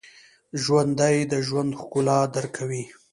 ژوندي د ژوند ښکلا درک کوي